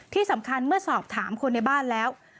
ที่สำคัญเมื่อสอบถามคนในบ้านแล้ว